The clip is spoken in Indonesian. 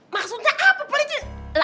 maksudnya apa pelinci